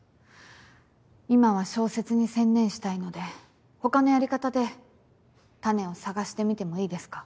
今は小説に専念したいので他のやり方で種を探してみてもいいですか？